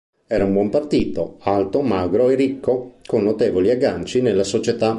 Era un buon partito: alto, magro e ricco, con notevoli agganci nella società.